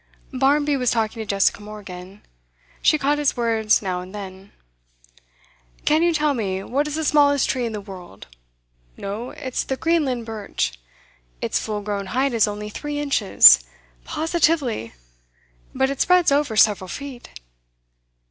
Barmby was talking to Jessica Morgan. She caught his words now and then. 'Can you tell me what is the smallest tree in the world? No, it's the Greenland birch. Its full grown height is only three inches positively! But it spreads over several feet.